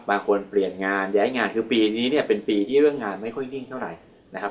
เปลี่ยนงานย้ายงานคือปีนี้เนี่ยเป็นปีที่เรื่องงานไม่ค่อยนิ่งเท่าไหร่นะครับ